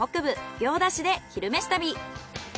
行田市で「昼めし旅」。